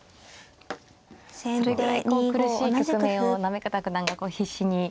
それぐらいこう苦しい局面を行方九段が必死に。